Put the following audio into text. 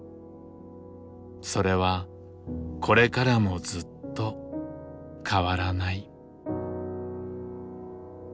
それはこれからもずっと変わらない。